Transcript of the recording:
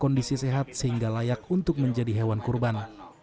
kondisi sehat sehingga layak untuk menjadi hewan kurban